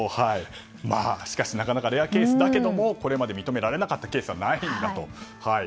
なかなかレアケースだけどもこれまで認められなかったケースはないんだと。